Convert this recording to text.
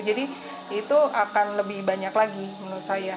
jadi itu akan lebih banyak lagi menurut saya